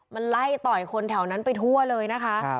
มันไล่ต่อยคนแถวนั้นไปทั่วเลยนะคะ